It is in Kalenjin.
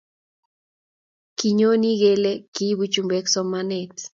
kinyoni kele kiibuu chumbek somanee